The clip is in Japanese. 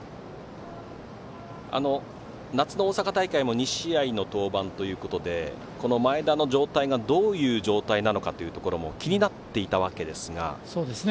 夏の大阪大会も２試合の登板ということでこの前田の状態がどういう状態なのかも気になっていたわけですが。